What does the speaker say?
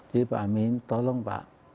jadi pak amin tolong pak